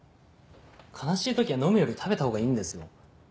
悲しいときは飲むより食べたほうがいいんですよ。